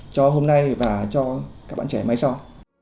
cho hôm nay và cho các bạn trẻ mai sau